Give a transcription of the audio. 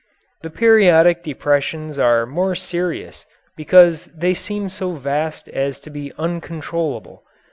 The periodic depressions are more serious because they seem so vast as to be uncontrollable.